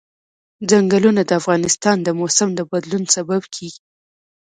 ځنګلونه د افغانستان د موسم د بدلون سبب کېږي.